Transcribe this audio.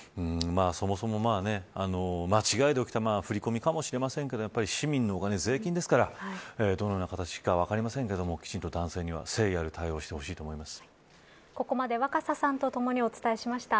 そもそも間違いで起きた振り込みかもしれませんけれどやっぱり市民のお金税金ですからどのような形か分かりませんがきちんと男性には誠意ある対応をここまで若狭さんとともにお伝えしました。